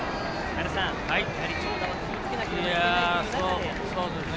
やはり長打は気をつけなきゃいけないという中で。